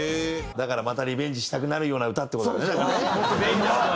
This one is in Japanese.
だからまたリベンジしたくなるような歌って事だねだからね。